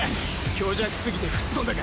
虚弱すぎて吹っ飛んだか。